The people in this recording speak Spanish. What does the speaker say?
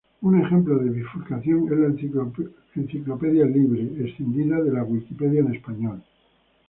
Un ejemplo de bifurcación es la Enciclopedia Libre escindida de la Wikipedia en español.